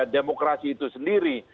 demokrasi itu sendiri